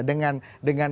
dengan apa persoalan